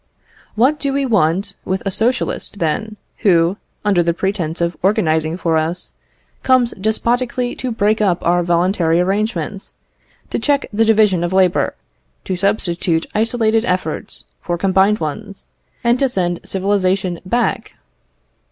What do we want with a Socialist then, who, under pretence of organising for us, comes despotically to break up our voluntary arrangements, to check the division of labour, to substitute isolated efforts for combined ones, and to send civilisation back?